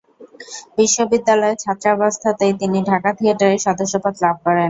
বিশ্ববিদ্যালয়ের ছাত্রাবস্থাতেই তিনি ঢাকা থিয়েটারের সদস্যপদ লাভ করেন।